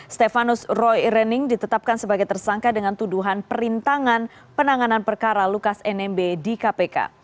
stefanus roy rening ditetapkan sebagai tersangka dengan tuduhan perintangan penanganan perkara lukas nmb di kpk